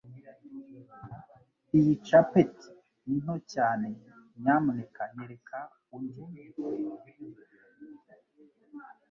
Iyi capeti ni nto cyane Nyamuneka nyereka undi